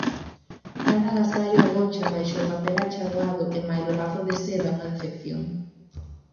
Cada agasallo agocha, baixo o papel acharoado e mailo lazo de seda, unha decepción.